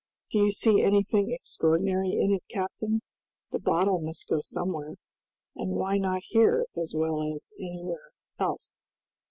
"Do you see anything extraordinary in it, captain? The bottle must go somewhere, and why not here as well as anywhere else?"